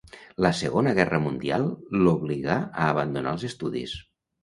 La Segona Guerra Mundial l'obligà a abandonar els estudis.